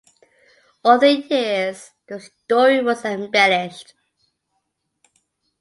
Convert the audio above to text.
Over the years, the story was embellished.